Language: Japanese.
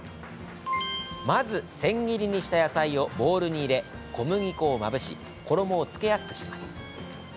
まず千切りにした野菜をボウルに入れ、小麦粉をまぶし衣を付けやすくします。